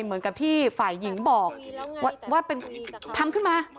เหมือนกับที่ฝ่ายหญิงบอกว่าเป็นทำขึ้นมา